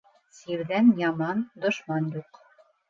Сирҙән яман дошман юҡ.